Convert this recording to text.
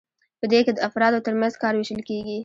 په دې کې د افرادو ترمنځ کار ویشل کیږي.